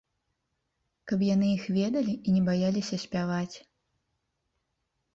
Каб яны іх ведалі і не баяліся спяваць.